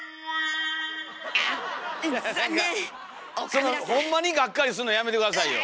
そのホンマにがっかりすんのやめて下さいよ。